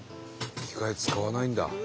機械使わないんだ。